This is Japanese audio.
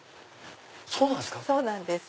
そうなんですか！